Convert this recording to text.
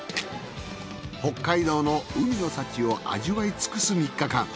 北海道の海の幸を味わいつくす３日間。